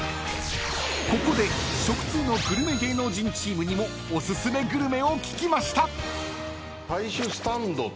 ［ここで食通のグルメ芸能人チームにもオススメグルメを聞きました］